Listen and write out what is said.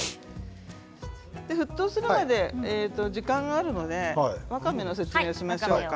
沸騰するまで時間があるのでわかめの説明をしましょうか。